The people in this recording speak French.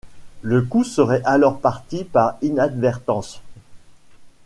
Le coup serait alors parti par inadvertance.